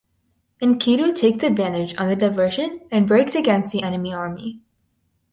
Enkidu takes advantage on the diversion and breaks against the enemy army.